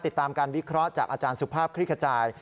ติดตามการวิเคราะห์จากอาจารย์สุภาพคลิกขจาย